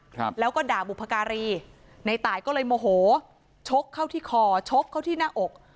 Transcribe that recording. ครับแล้วก็ด่าบุพการีในตายก็เลยโมโหชกเข้าที่คอชกเข้าที่หน้าอก